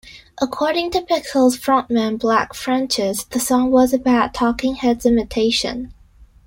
According to Pixies frontman Black Francis, the song was a bad Talking Heads imitation.